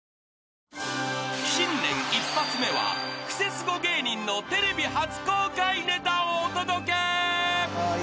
［新年一発目はクセスゴ芸人のテレビ初公開ネタをお届け］